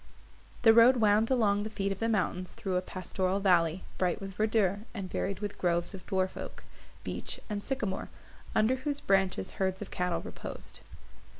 The road wound along the feet of the mountains through a pastoral valley, bright with verdure, and varied with groves of dwarf oak, beech and sycamore, under whose branches herds of cattle reposed.